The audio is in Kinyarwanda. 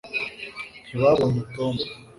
ntibabonye tom